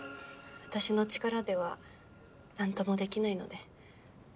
私の力では何ともできないので。